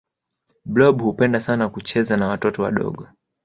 blob hupenda sana kucheza na watoto wadogo